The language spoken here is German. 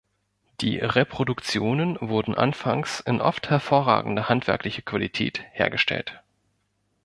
Die Reproduktionen wurden anfangs in oft hervorragender handwerklicher Qualität hergestellt.